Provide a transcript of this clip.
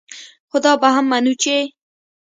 خو دا به هم منو چې